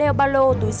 em ở cầu giấy